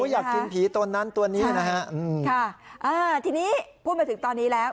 อยากกินผีตัวนั้นตัวนี้นะฮะค่ะอ่าทีนี้พูดมาถึงตอนนี้แล้ว